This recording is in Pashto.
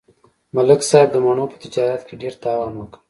ملک صاحب د مڼو په تجارت کې ډېر تاوان وکړ.